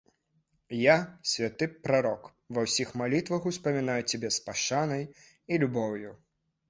Я, святы прарок, ва ўсіх малітвах успамінаю цябе з пашанай і любоўю.